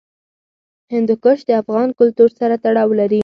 هندوکش د افغان کلتور سره تړاو لري.